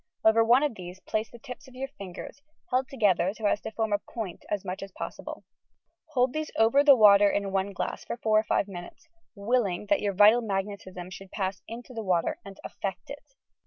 Over one of these place the tips of your fingers, held together so as to form a point as much as possible. Hold these over the water in one glass for four or five minutes, willing that your vital magnetism should pass into the water and a^ect it.